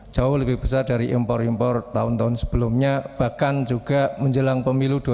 jauh lebih besar dari impor impor tahun tahun sebelumnya bahkan juga menjelang pemilu dua ribu sembilan belas